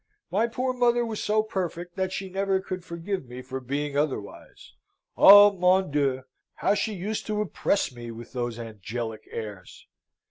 My poor mother was so perfect that she never could forgive me for being otherwise. Ah, mon Dieu! how she used to oppress me with those angelical airs!"